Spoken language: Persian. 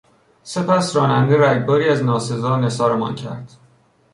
سپس راننده رگباری از ناسزا نثارمان کرد.